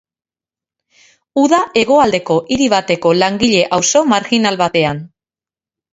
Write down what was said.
Uda hegoaldeko hiri bateko langile-auzo marjinal batean.